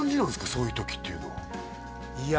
そういう時っていうのはいや